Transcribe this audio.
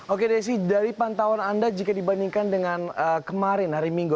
oke desi dari pantauan anda jika dibandingkan dengan kemarin hari minggu